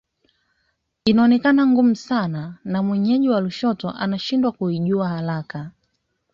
Inaonekana ngumu sana na wenyeji wa Lushoto wanashindwa kuijua haraka